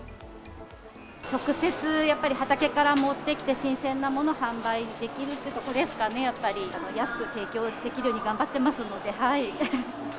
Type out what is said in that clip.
直接、やっぱり畑から持ってきて新鮮なものを販売できるというところですかね、やっぱり。安く提供できるように頑張ってますので。